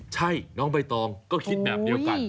ใช่น้องใบตองก็คิดแบบเดียวกัน